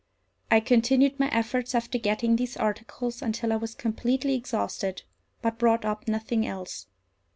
I continued my efforts, after getting these articles, until I was completely exhausted, but brought up nothing else.